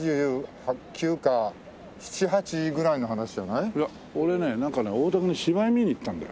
いや俺ねなんかね大竹の芝居見に行ったんだよ。